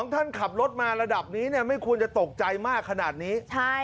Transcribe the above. ท่านขับรถมาระดับนี้ไม่ควรจะตกใจมากขนาดนี้